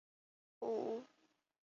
殿试登进士第三甲第一百五十三名。